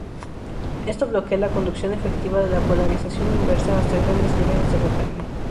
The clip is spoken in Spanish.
Esto bloquea la conducción efectiva de la polarización inversa hasta grandes niveles de voltaje.